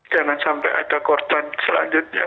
jangan sampai ada korban selanjutnya